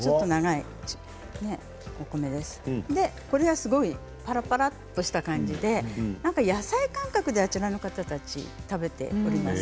これはすごいぱらぱらした感じで野菜感覚であちらの方たちは食べております。